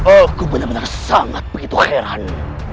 aku benar benar sangat begitu heran